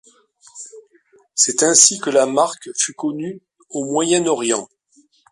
C’est ainsi que la marque fut connue au Moyen-Orient.